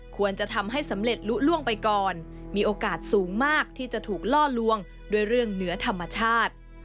ควรจะทำให้สำเร็จลุล่วงไปก่อนมีโอกาสสูงมากที่จะถูกล่อลวงด้วยเรื่องเหนือธรรมชาติ